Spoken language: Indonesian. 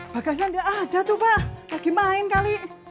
bagasnya tidak ada tuh pak lagi main kali